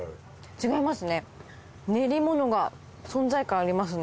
違いますね。